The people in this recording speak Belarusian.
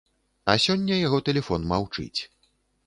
А сёння яго тэлефон маўчыць.